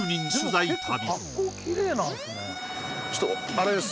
あれです